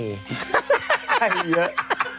ไข่มาเยอะ